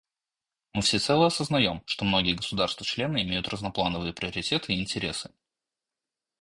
Мы всецело сознаем, что многие государства-члены имеют разноплановые приоритеты и интересы.